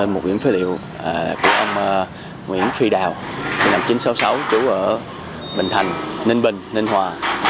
mũm phế liệu của ông nguyễn phi đào sinh năm một nghìn chín trăm sáu mươi sáu trú ở bình thành ninh bình ninh hòa